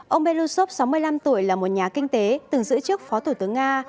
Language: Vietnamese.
ông belousov sáu mươi năm tuổi là một nhà kinh tế từng giữ chức phó thủ tướng nga